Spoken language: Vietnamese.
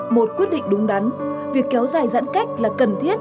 một quyết định đúng đắn việc kéo dài giãn cách là cần thiết